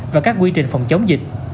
và các quy trình phòng chống dịch